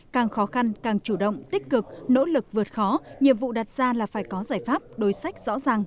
càng khó khăn càng chủ động tích cực nỗ lực vượt khó nhiệm vụ đặt ra là phải có giải pháp đối sách rõ ràng